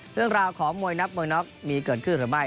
เรื่องราวของมวยนับมือน็อกมีเกิดขึ้นหรือไม่